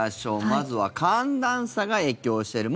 まずは寒暖差が影響している。